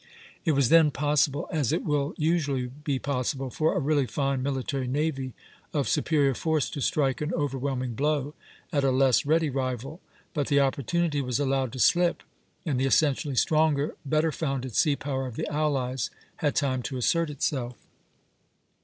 It was then possible, as it will usually be possible, for a really fine military navy of superior force to strike an overwhelming blow at a less ready rival; but the opportunity was allowed to slip, and the essentially stronger, better founded sea power of the allies had time to assert itself.